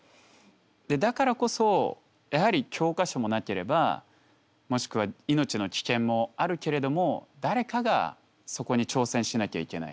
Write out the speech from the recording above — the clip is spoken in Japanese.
だからこそやはり教科書もなければもしくは命の危険もあるけれども誰かがそこに挑戦しなきゃいけない。